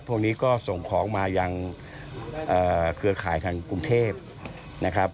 พวกนี้ก็ส่งของมายังเครือข่ายทางกรุงเทพนะครับ